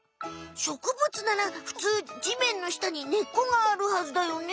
植物ならふつうじめんのしたに根っこがあるはずだよね。